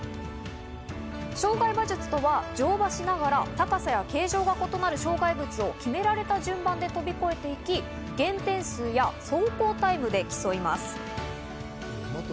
障害馬術とは乗馬しながら高さや形状が異なる障害物を決められた順番で跳び越えていき、減点数や走行タイムで競います。